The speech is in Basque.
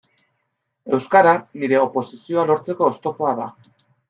Euskara nire oposizioa lortzeko oztopoa da.